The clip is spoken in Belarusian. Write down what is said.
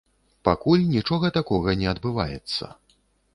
Пакуль нічога такога не адбываецца.